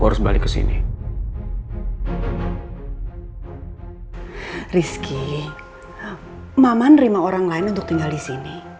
jadi mama nerima orang lain untuk tinggal di sini